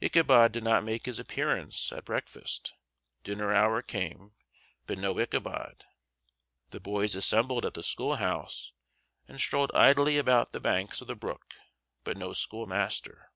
Ichabod did not make his appearance at breakfast; dinner hour came, but no Ichabod. The boys assembled at the school house and strolled idly about the banks of the brook but no schoolmaster.